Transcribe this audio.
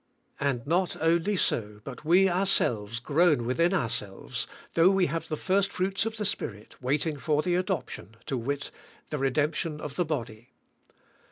And not only so, but we ourselves groan within ourselves, though we have the first fruits of the Spirit waiting for the adoption, to wit: the redemption of the body.